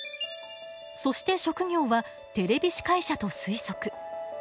そして職業はテレビ司会者と推測。